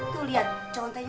tuh liat contohnya